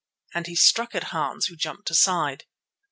And he struck at Hans, who jumped aside.